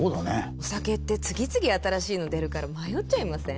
お酒って次々新しいの出るから迷っちゃいません？